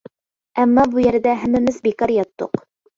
ئەمما بۇ يەردە ھەممىمىز بىكار ياتتۇق.